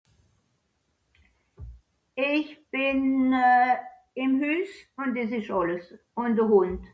ich bin im hus des isch alles un de hund